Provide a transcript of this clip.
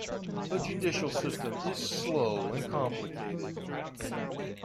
The judicial system is slow and complicated.